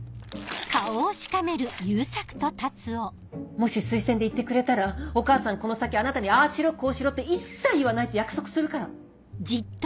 もし推薦で行ってくれたらお母さんこの先あなたにああしろこうしろって一切言わないって約束するから。